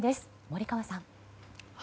森川さん。